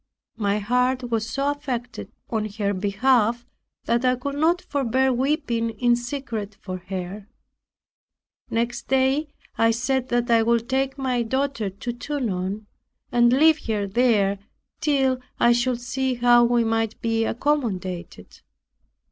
My heart was so affected on her behalf, that I could not forbear weeping in secret for her. Next day I said, "I would take my daughter to Tonon, and leave her there, till I should see how we might be accommodated."